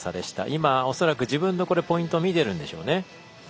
今、恐らく自分のポイント見ているんでしょうね。